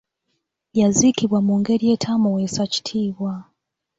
Yaziikibwa mu ngeri etaamuweesa kitiibwa.